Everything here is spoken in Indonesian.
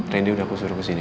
randy udah aku suruh kesini